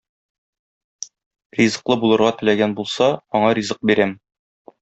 Ризыклы булырга теләгән булса, аңа ризык бирәм.